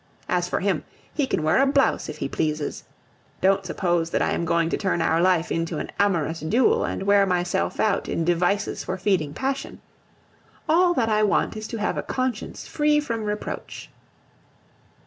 As for him, he can wear a blouse if he pleases! Don't suppose that I am going to turn our life into an amorous duel and wear myself out in devices for feeding passion; all that I want is to have a conscience free from reproach.